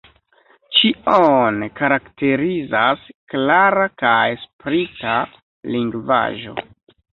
Ĉion karakterizas klara kaj sprita lingvaĵo.